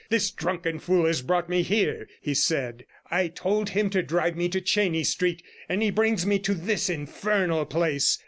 'This drunken fool has brought me here,' he said. 'I told him to drive to Chenies Street, and he brings me to this infernal place.